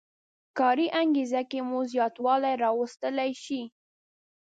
کاري انګېزه کې مو زیاتوالی راوستلی شي.